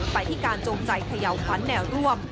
ไปที่การจงใจเขย่าขวัญแนวร่วม